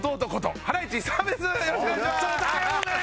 よろしくお願いします。